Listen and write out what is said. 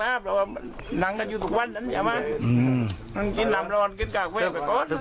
เพราะว่านางก็อยู่ทุกวันนั้นเห็นไหมอืมนางกินน้ำร้อนกินกากเว้ยไปกด